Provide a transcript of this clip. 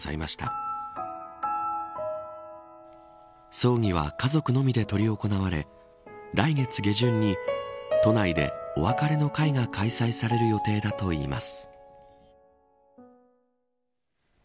葬儀は家族のみで執り行われ来月下旬に都内でお別れの会が開催される予定だといいます。